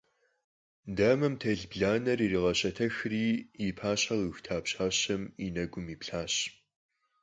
Дамэм телъ бланэр иригъэщэтэхри, и пащхьэ къихута пщащэм и нэгум иплъащ.